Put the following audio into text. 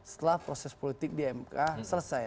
setelah proses politik di mk selesai